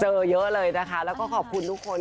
เจอเยอะเลยนะคะแล้วก็ขอบคุณทุกคน